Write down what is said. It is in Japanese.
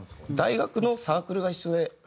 大学のサークルが一緒で。